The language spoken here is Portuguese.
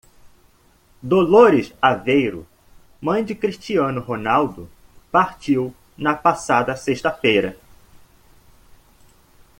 Dolores Aveiro, mãe de Cristiano Ronaldo, partiu na passada sexta-feira.